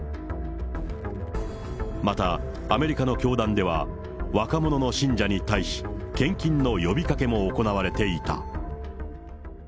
また、アメリカの教団では、若者の信者に対し、献金の呼びかけも行われていた。